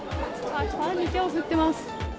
ファンに手を振ってます。